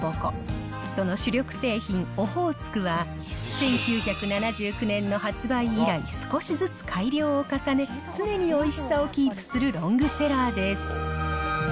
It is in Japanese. その主力製品、オホーツクは、１９７９年の発売以来、少しずつ改良を重ね、常においしさをキープするロングセラーです。